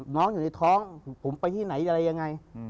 น้องอยู่ในท้องผมไปที่ไหนอะไรยังไง